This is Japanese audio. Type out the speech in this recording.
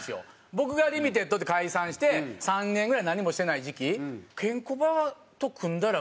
僕がリミテッドって解散して３年ぐらい何もしてない時期「ケンコバと組んだら売れるんちゃう？」